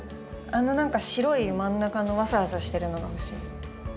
あの何か白い真ん中のワサワサしてるのが欲しい。